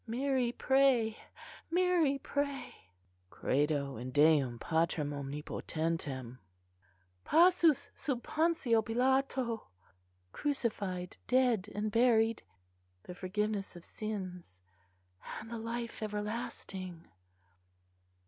"Mary pray! Mary pray!"... "Credo in Deum Patrem omnipotentem."... "Passus sub Pontio Pilato."... "Crucified dead and buried."... "The forgiveness of sins."... "And the Life Everlasting."...